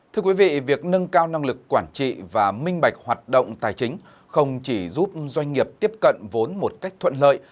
thưa quý vị việc nâng cao năng lực quản trị và minh bạch hoạt động tài chính không chỉ giúp doanh nghiệp tiếp cận vốn một cách thuận lợi